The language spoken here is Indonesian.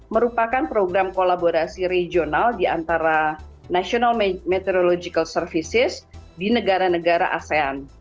merupakan program kolaborasi regional di antara national meteorological services di negara negara asean